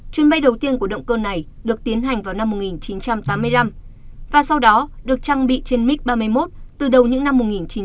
chuyến bay đầu tiên của động cơ này được tiến hành vào năm một nghìn chín trăm tám mươi năm và sau đó được trang bị trên mik ba mươi một từ đầu những năm một nghìn chín trăm bảy mươi